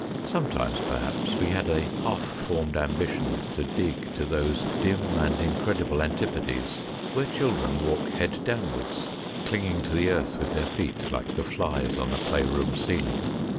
Sometimes, perhaps, we had a half formed ambition to dig to those dim and incredible Antipodes where children walk 105 106 THE DAY BEFORE YESTERDAY head downwards, clinging to the earth with their feet, like the flies on the playroom ceiling.